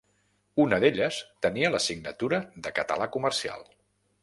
Una d'elles tenia l'assignatura de català comercial.